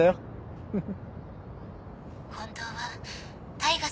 フフフ。